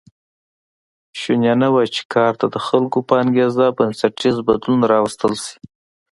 شونې نه وه چې کار ته د خلکو په انګېزه بنسټیز بدلون راوستل شي